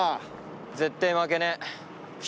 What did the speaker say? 絶対負けねえ。